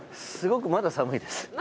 すごくまだ寒いです。